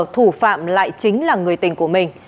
thủ phạm lại chính là người tình của mình